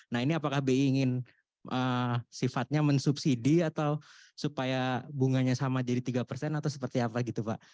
nah ini apakah bi ingin sifatnya mensubsidi atau supaya bunganya sama jadi tiga persen atau seperti apa gitu pak